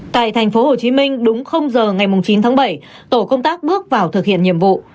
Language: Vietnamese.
tại thành phố hồ chí minh đúng giờ ngày mùng chín tháng bảy tổ công tác bước vào thực hiện nhiệm vụ